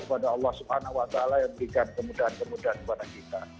kepada allah swt yang memberikan kemudahan kemudahan kepada kita